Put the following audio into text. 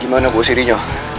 gimana bau sirinya